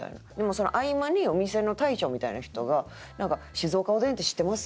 その合間にお店の大将みたいな人が「静岡おでんって知ってます？」